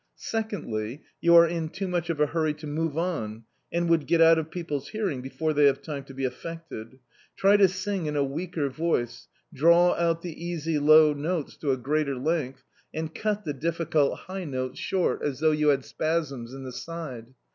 Secondly, you are in too much of a hurry to move on, and would get out of people's hearing before they have time to be affected. Try to sing in a weaker voice : draw out the easy low notes to a greater length, and cut the difficult hi^ notes short, Dictzed by Google Gridling as though you had spasms in the side.